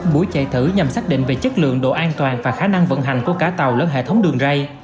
buổi chạy thử nhằm xác định về chất lượng độ an toàn và khả năng vận hành của cả tàu lẫn hệ thống đường rây